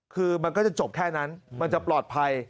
คือมันก็จะจบแค่นั้นมันจะปลอดภัย